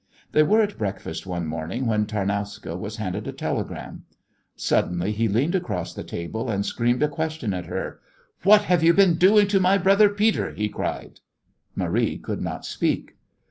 They were at breakfast one morning when Tarnowska was handed a telegram. Suddenly he leaned across the table and screamed a question to her. "What have you been doing to my brother Peter?" he cried. Marie could not speak.